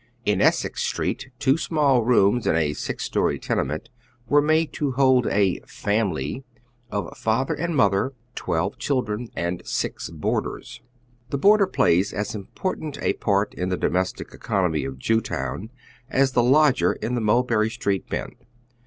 In Essex Street two small moms in a six story tenement were made to hold a " family " of father and motlier, twelve children and six boarders. The boarder plays as important a part in the domestic economy of Jewtown as tlie lodger in the Mulberry Street Bend.